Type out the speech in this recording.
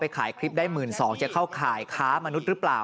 ขายคลิปได้๑๒๐๐จะเข้าข่ายค้ามนุษย์หรือเปล่า